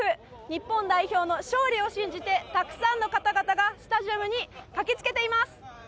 日本代表の勝利を信じてたくさんの方々がスタジアムに駆け付けています。